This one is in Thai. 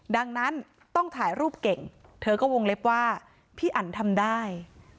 ดังนั้นต้องถ่ายรูปเก่งเธอก็วงเล็บว่าพี่อันทำได้